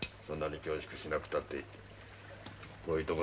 そんなに恐縮しなくたっていい。